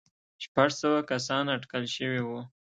شپږ سوه کسان اټکل شوي وو.